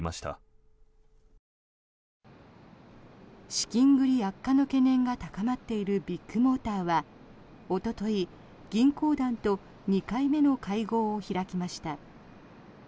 資金繰り悪化の懸念が高まっているビッグモーターはおととい、銀行団と２回目の会合を開きました。